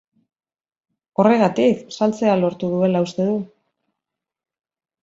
Horregatik, saltzea lortuko duela uste du.